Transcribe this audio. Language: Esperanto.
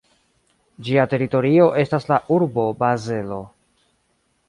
Ĝia teritorio estas la urbo Bazelo.